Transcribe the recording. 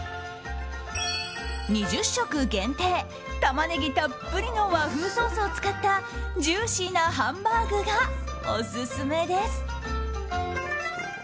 ２０食限定、タマネギたっぷりの和風ソースを使ったジューシーなハンバーグがオススメです。